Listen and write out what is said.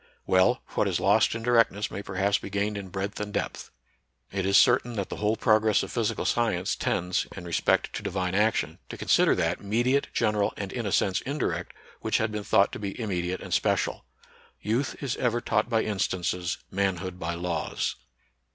Well, what is lost in directness may perhaps be gained in breadth and depth. It is certain that the whole progress of physical science tends, in respect to Divine action, to consider that me diate, general, and in a sense indirect, which had been thought to be immediate and special. Youth is ever taught by instances, manhood by laws.